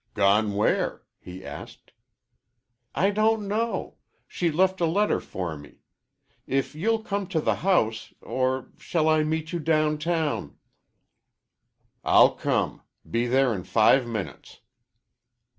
"Gone where?" he asked. "I don't know. She left a letter for me. If you'll come to the house Or shall I meet you downtown?" "I'll come. Be there in five minutes."